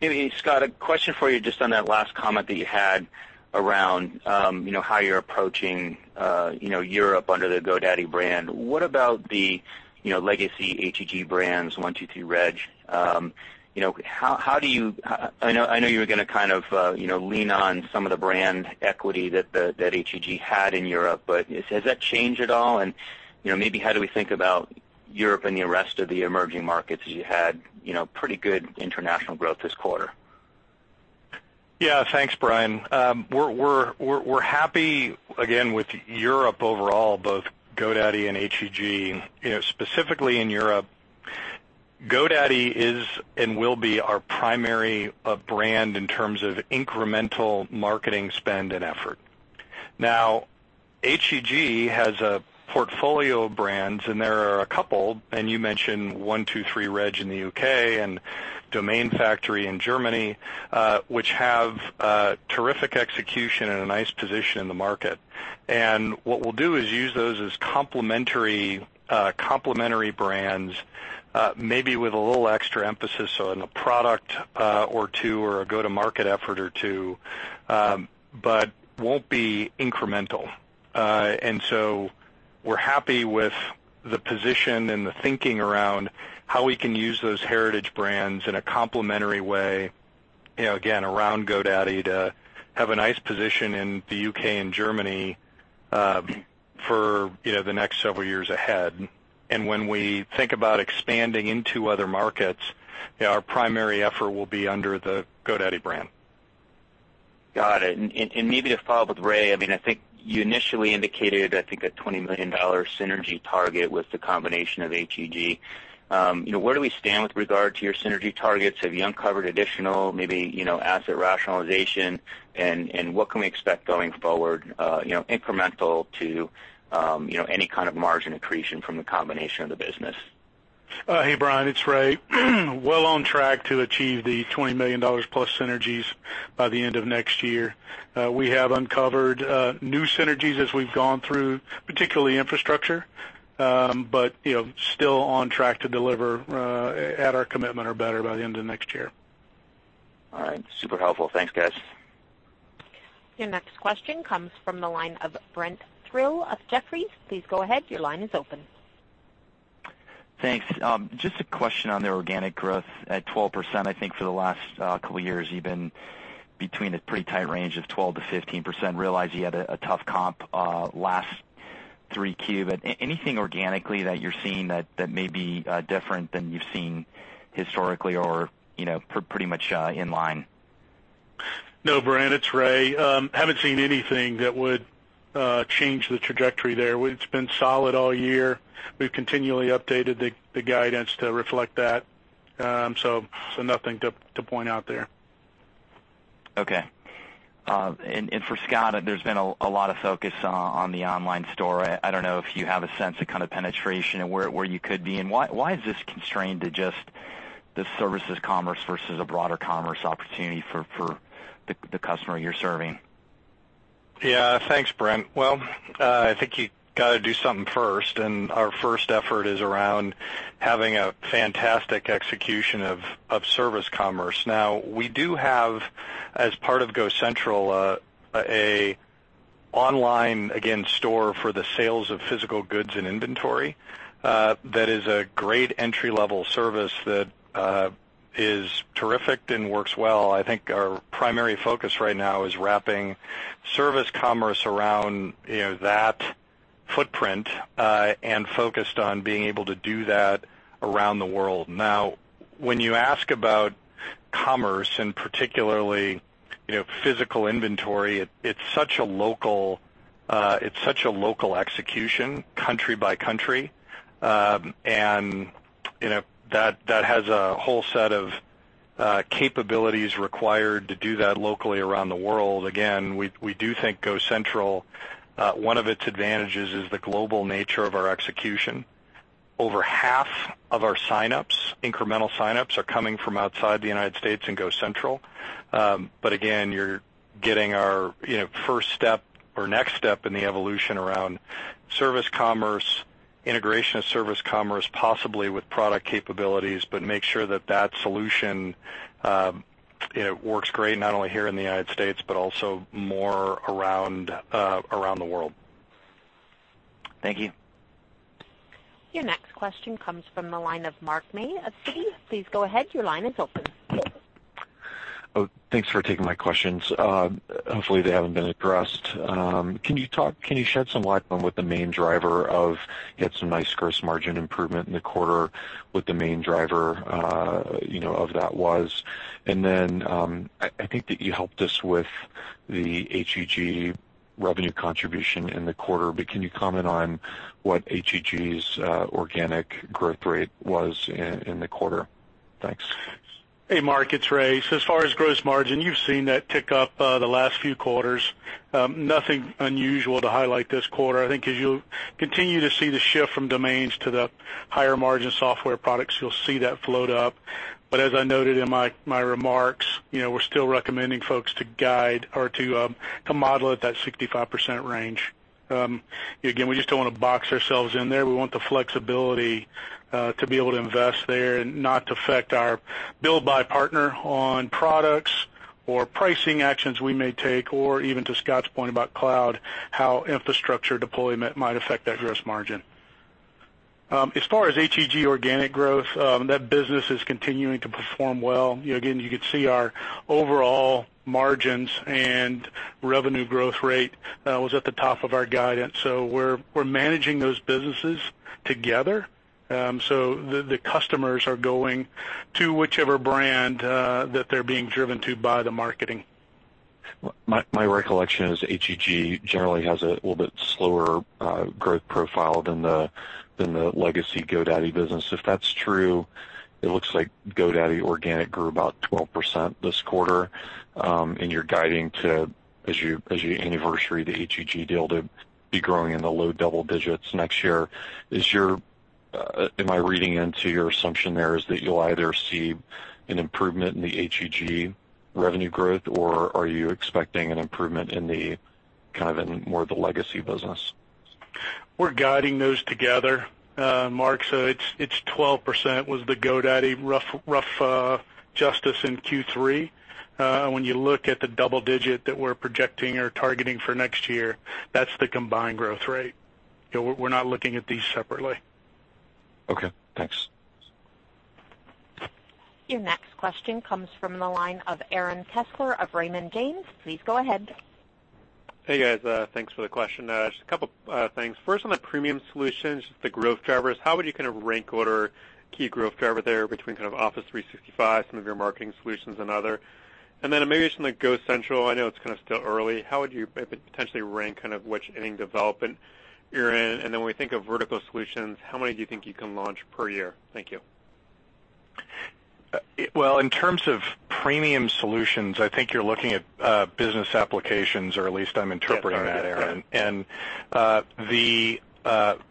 Maybe, Scott, a question for you just on that last comment that you had around how you're approaching Europe under the GoDaddy brand. What about the legacy HEG brands, 123-Reg? I know you were going to kind of lean on some of the brand equity that HEG had in Europe, but has that changed at all? Maybe how do we think about Europe and the rest of the emerging markets as you had pretty good international growth this quarter? Thanks, Brian. We're happy, again, with Europe overall, both GoDaddy and HEG. Specifically in Europe, GoDaddy is, and will be, our primary brand in terms of incremental marketing spend and effort. HEG has a portfolio of brands, and there are a couple, and you mentioned 123-Reg in the U.K. and Domain Factory in Germany, which have terrific execution and a nice position in the market. What we'll do is use those as complementary brands, maybe with a little extra emphasis on a product or two, or a go-to-market effort or two, but won't be incremental. We're happy with the position and the thinking around how we can use those heritage brands in a complementary way, again, around GoDaddy to have a nice position in the U.K. and Germany for the next several years ahead. When we think about expanding into other markets, our primary effort will be under the GoDaddy brand. Got it. Maybe to follow up with Ray, I think you initially indicated, I think a $20 million synergy target with the combination of HEG. Where do we stand with regard to your synergy targets? Have you uncovered additional, maybe, asset rationalization? What can we expect going forward, incremental to any kind of margin accretion from the combination of the business? Hey, Brian, it's Ray. Well on track to achieve the $20 million plus synergies by the end of next year. We have uncovered new synergies as we've gone through, particularly infrastructure. Still on track to deliver at our commitment or better by the end of next year. All right. Super helpful. Thanks, guys. Your next question comes from the line of Brent Thill of Jefferies. Please go ahead. Your line is open. Thanks. Just a question on the organic growth. At 12%, I think for the last couple of years, you've been between a pretty tight range of 12%-15%. Realize you had a tough comp last 3Q, anything organically that you're seeing that may be different than you've seen historically or pretty much in line? No, Brent, it's Ray. Haven't seen anything that would change the trajectory there. It's been solid all year. We've continually updated the guidance to reflect that. Nothing to point out there. Okay. For Scott, there's been a lot of focus on the online store. I don't know if you have a sense of kind of penetration and where you could be, and why is this constrained to just the services commerce versus a broader commerce opportunity for the customer you're serving? Yeah. Thanks, Brent. Well, I think you got to do something first, and our first effort is around having a fantastic execution of service commerce. Now, we do have, as part of GoCentral, an online, again, store for the sales of physical goods and inventory. That is a great entry-level service that is terrific and works well. I think our primary focus right now is wrapping service commerce around that footprint, and focused on being able to do that around the world. Now, when you ask about commerce and particularly, physical inventory, it's such a local execution country by country. That has a whole set of capabilities required to do that locally around the world. Again, we do think GoCentral, one of its advantages is the global nature of our execution. Over half of our incremental sign-ups are coming from outside the U.S. in GoCentral. Again, you're getting our first step or next step in the evolution around service commerce, integration of service commerce, possibly with product capabilities, but make sure that that solution works great not only here in the U.S., but also more around the world. Thank you. Your next question comes from the line of Mark May of Citi. Please go ahead. Your line is open. Thanks for taking my questions. Hopefully, they haven't been addressed. Can you shed some light on what the main driver of, you had some nice gross margin improvement in the quarter, what the main driver of that was? Then, I think that you helped us with the HEG revenue contribution in the quarter, but can you comment on what HEG's organic growth rate was in the quarter? Thanks. Hey, Mark, it's Ray. As far as gross margin, you've seen that tick up the last few quarters. Nothing unusual to highlight this quarter. I think as you continue to see the shift from domains to the higher margin software products, you'll see that float up. As I noted in my remarks, we're still recommending folks to guide or to model at that 65% range. Again, we just don't want to box ourselves in there. We want the flexibility to be able to invest there and not to affect our build by partner on products or pricing actions we may take, or even to Scott's point about cloud, how infrastructure deployment might affect that gross margin. As far as HEG organic growth, that business is continuing to perform well. Again, you could see our overall margins and revenue growth rate was at the top of our guidance. We're managing those businesses together. The customers are going to whichever brand that they're being driven to by the marketing. My recollection is HEG generally has a little bit slower growth profile than the legacy GoDaddy business. If that's true, it looks like GoDaddy organic grew about 12% this quarter. You're guiding to, as you anniversary the HEG deal, to be growing in the low double digits next year. Am I reading into your assumption there is that you'll either see an improvement in the HEG revenue growth, or are you expecting an improvement in the kind of in more the legacy business? We're guiding those together, Mark. It's 12% was the GoDaddy rough justice in Q3. When you look at the double digit that we're projecting or targeting for next year, that's the combined growth rate. We're not looking at these separately. Okay, thanks. Your next question comes from the line of Aaron Kessler of Raymond James. Please go ahead. Hey, guys. Thanks for the question. Just a couple of things. First, on the premium solutions, just the growth drivers, how would you rank order key growth driver there between Office 365, some of your marketing solutions, and other? Then maybe just on the GoCentral, I know it's still early. How would you potentially rank which inning development you're in? Then when we think of vertical solutions, how many do you think you can launch per year? Thank you. Well, in terms of premium solutions, I think you're looking at business applications, or at least I'm interpreting that, Aaron. Yeah. All right. Yeah. The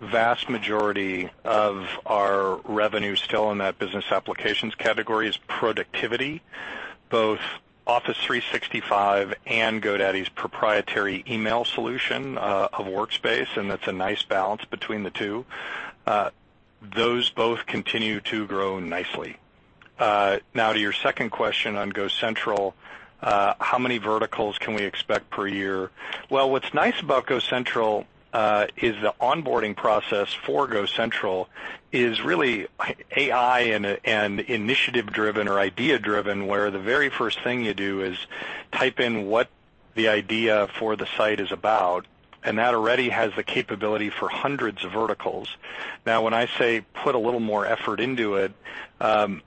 vast majority of our revenue still in that business applications category is productivity, both Office 365 and GoDaddy's proprietary email solution of Workspace, and that's a nice balance between the two. Those both continue to grow nicely. To your second question on GoCentral, how many verticals can we expect per year? Well, what's nice about GoCentral is the onboarding process for GoCentral is really AI and initiative-driven or idea-driven, where the very first thing you do is type in what the idea for the site is about, and that already has the capability for hundreds of verticals. When I say put a little more effort into it,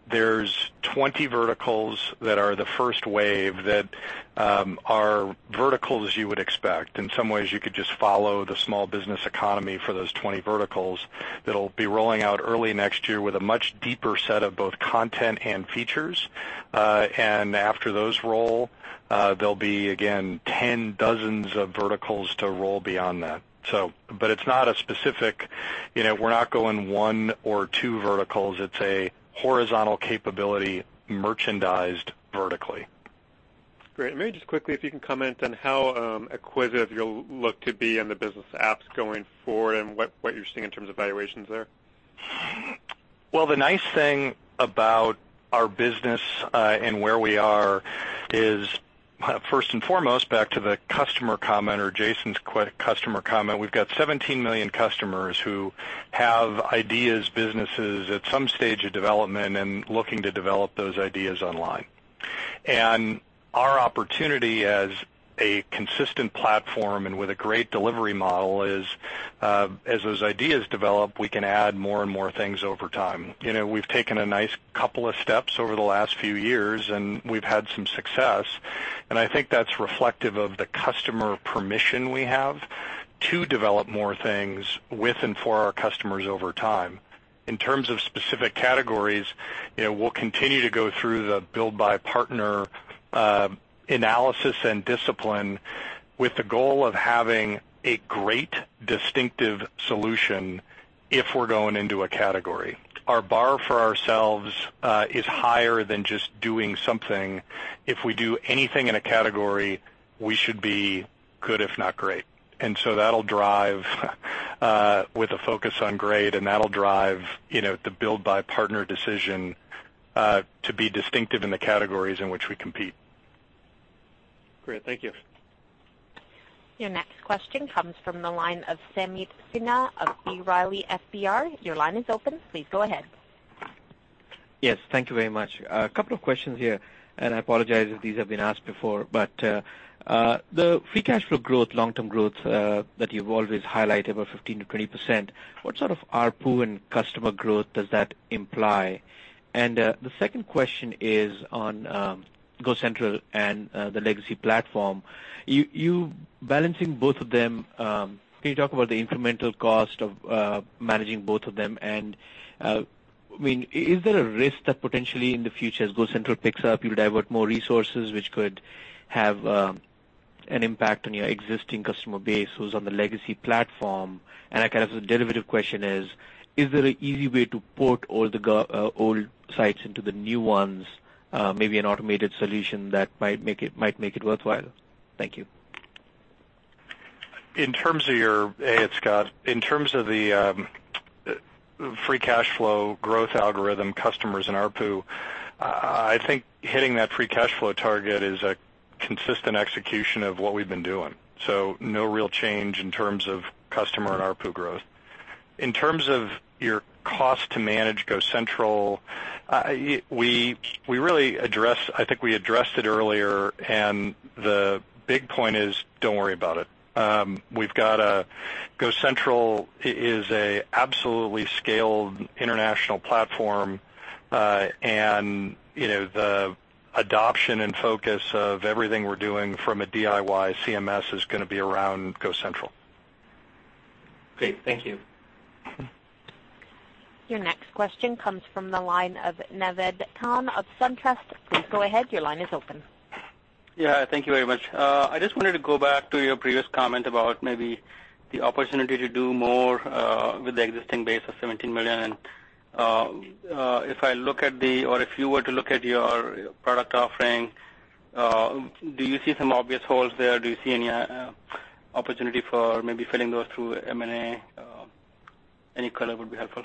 there's 20 verticals that are the first wave that are verticals you would expect. In some ways, you could just follow the small business economy for those 20 verticals that'll be rolling out early next year with a much deeper set of both content and features. After those roll, there'll be, again, 10 dozens of verticals to roll beyond that. It's not a specific, we're not going one or two verticals. It's a horizontal capability merchandised vertically. Great. Maybe just quickly, if you can comment on how acquisitive you'll look to be in the business apps going forward and what you're seeing in terms of valuations there. The nice thing about our business, where we are is, first and foremost, back to the customer comment or Jason's customer comment, we've got 17 million customers who have ideas, businesses at some stage of development and looking to develop those ideas online. Our opportunity as a consistent platform and with a great delivery model is, as those ideas develop, we can add more and more things over time. We've taken a nice couple of steps over the last few years, and we've had some success, and I think that's reflective of the customer permission we have to develop more things with and for our customers over time. In terms of specific categories, we'll continue to go through the build by partner analysis and discipline with the goal of having a great distinctive solution if we're going into a category. Our bar for ourselves is higher than just doing something. If we do anything in a category, we should be good, if not great. That'll drive with a focus on great, and that'll drive the build by partner decision, to be distinctive in the categories in which we compete. Great. Thank you. Your next question comes from the line of Sameet Sinha of B. Riley FBR. Your line is open. Please go ahead. Yes. Thank you very much. A couple of questions here. I apologize if these have been asked before, the free cash flow growth, long-term growth that you've always highlighted was 15%-20%. What sort of ARPU and customer growth does that imply? The second question is on GoCentral and the legacy platform. You balancing both of them, can you talk about the incremental cost of managing both of them? Is there a risk that potentially in the future, as GoCentral picks up, you'll divert more resources, which could have an impact on your existing customer base who's on the legacy platform? A kind of derivative question is there an easy way to port all the old sites into the new ones? Maybe an automated solution that might make it worthwhile. Thank you. Hey, it's Scott. In terms of the free cash flow growth algorithm, customers, and ARPU, I think hitting that free cash flow target is a consistent execution of what we've been doing. No real change in terms of customer and ARPU growth. In terms of your cost to manage GoCentral, I think we addressed it earlier, the big point is, don't worry about it. GoCentral is a absolutely scaled international platform. The adoption and focus of everything we're doing from a DIY CMS is going to be around GoCentral. Great. Thank you. Your next question comes from the line of Naved Khan of SunTrust. Please go ahead. Your line is open. Thank you very much. I just wanted to go back to your previous comment about maybe the opportunity to do more with the existing base of 17 million. If you were to look at your product offering, do you see some obvious holes there? Do you see any opportunity for maybe filling those through M&A? Any color would be helpful.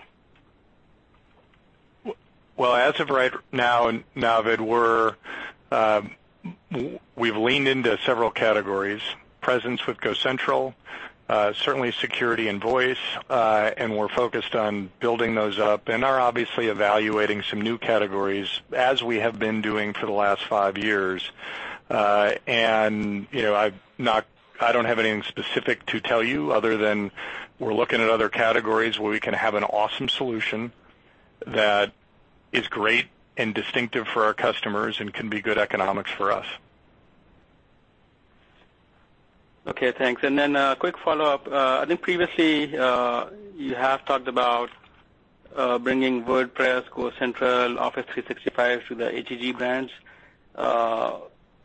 Well, as of right now, Naved, we've leaned into several categories. Presence with GoCentral. Certainly security and voice, we're focused on building those up, and are obviously evaluating some new categories as we have been doing for the last five years. I don't have anything specific to tell you other than we're looking at other categories where we can have an awesome solution that is great and distinctive for our customers and can be good economics for us. Okay, thanks. Then a quick follow-up. I think previously, you have talked about bringing WordPress, GoCentral, Office 365 to the HEG brands.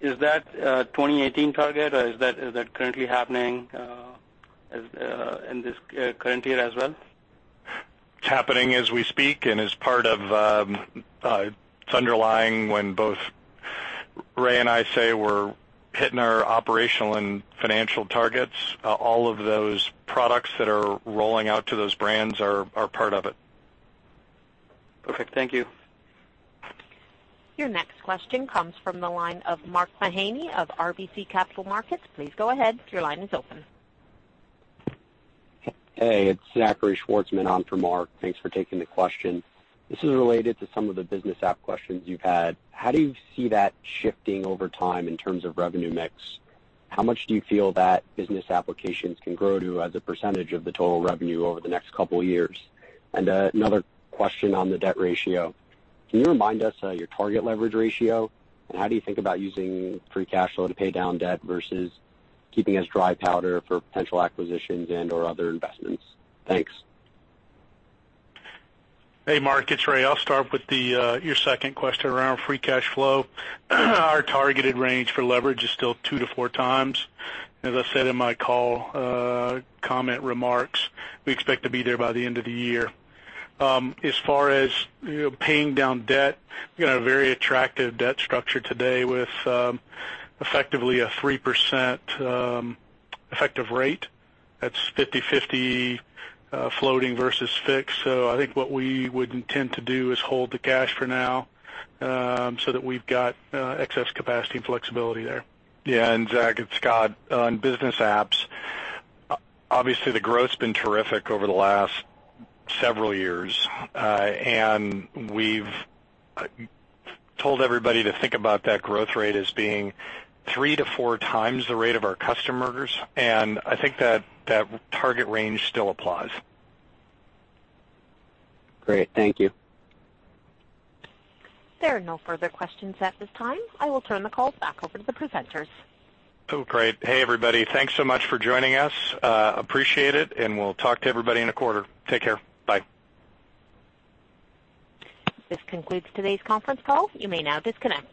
Is that a 2018 target or is that currently happening in this current year as well? It's happening as we speak, it's underlying when both Ray and I say we're hitting our operational and financial targets. All of those products that are rolling out to those brands are part of it. Perfect. Thank you. Your next question comes from the line of Mark Mahaney of RBC Capital Markets. Please go ahead. Your line is open. Hey, it's Zachary Schwartzman on for Mark. Thanks for taking the question. This is related to some of the business app questions you've had. How do you see that shifting over time in terms of revenue mix? How much do you feel that business applications can grow to as a percentage of the total revenue over the next couple of years? Another question on the debt ratio. How do you think about using free cash flow to pay down debt versus keeping as dry powder for potential acquisitions and/or other investments? Thanks. Hey, Mark, it's Ray. I'll start with your second question around free cash flow. Our targeted range for leverage is still two to four times. As I said in my call comment remarks, we expect to be there by the end of the year. As far as paying down debt, we've got a very attractive debt structure today with effectively a 3% effective rate. That's 50/50 floating versus fixed. I think what we would intend to do is hold the cash for now so that we've got excess capacity and flexibility there. Yeah, Zach, it's Scott. On business apps, obviously the growth's been terrific over the last several years. We've told everybody to think about that growth rate as being 3 to 4 times the rate of our customers, and I think that target range still applies. Great. Thank you. There are no further questions at this time. I will turn the call back over to the presenters. Great. Hey, everybody. Thanks so much for joining us. Appreciate it, and we'll talk to everybody in a quarter. Take care. Bye. This concludes today's conference call. You may now disconnect.